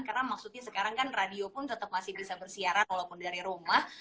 karena maksudnya sekarang kan radio pun tetap masih bisa bersiaran walaupun dari rumah